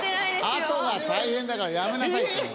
あとが大変だからやめなさいっての。